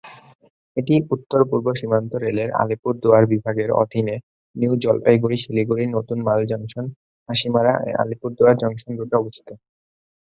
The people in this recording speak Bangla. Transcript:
এটি উত্তর-পূর্ব সীমান্ত রেলের আলিপুরদুয়ার বিভাগের অধীনে নিউ জলপাইগুড়ি-শিলিগুড়ি-নতুন মাল জংশন-হাসিমারা-আলিপুরদুয়ার জংশন রুটে অবস্থিত।